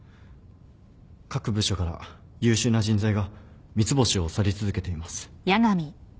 各部署から優秀な人材が三ツ星を去り続けています。